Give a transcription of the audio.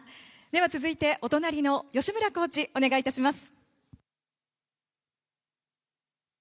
続いて、お隣の吉村コーチお願いいたします。